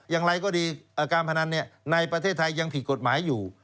อย่างไรก็ดีการพนันในประเทศไทยยังผิดกฎหมายอยู่